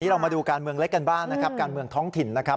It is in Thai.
เรามาดูการเมืองเล็กกันบ้างนะครับการเมืองท้องถิ่นนะครับ